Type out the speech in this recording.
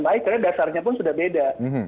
baik karena dasarnya pun sudah beda